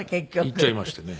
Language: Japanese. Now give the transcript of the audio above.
行っちゃいましてね。